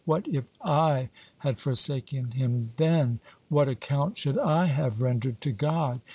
What if I had forsaken him then? What account should I have rendered to God?